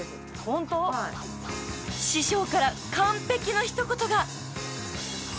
［師匠から完璧の一言が！］